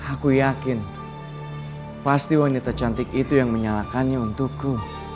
aku yakin pasti wanita cantik itu yang menyalakannya untukku